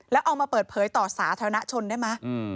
แล้วเอามาเปิดเผยต่อสาธารณชนได้ไหม